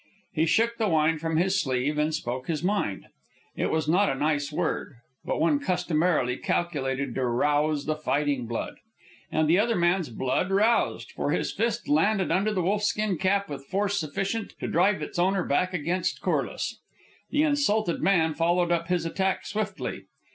He shook the wine from his sleeve and spoke his mind. It was not a nice word, but one customarily calculated to rouse the fighting blood. And the other man's blood roused, for his fist landed under the wolf skin cap with force sufficient to drive its owner back against Corliss. The insulted man followed up his attack swiftly.